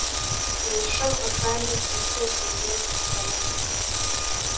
ibishoboka kandi byiteguye kugabanuka